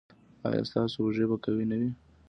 ایا ستاسو اوږې به قوي نه وي؟